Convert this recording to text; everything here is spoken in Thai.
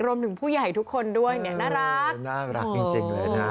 รวมถึงผู้ใหญ่ทุกคนด้วยน่ารัก